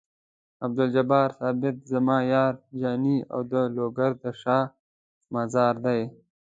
عبدالجبار ثابت زما یار جاني او د لوګر د شاه مزار دی.